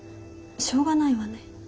しょうがないわね。